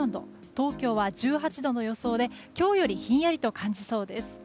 東京は１８度の予想で今日よりひんやりと感じそうです。